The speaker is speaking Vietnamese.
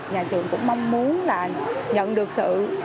nhà trường cũng mong muốn là nhận được sự